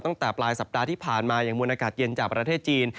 ตั้งแต่ปลายสัปดาห์ที่ผ่านมาอย่างมวลอากาศเย็นจากประเทศจีน